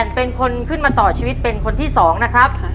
เป็นคนขึ้นมาต่อชีวิตเป็นคนที่๒นะครับ